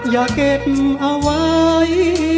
อย่าเก็บเอาไว้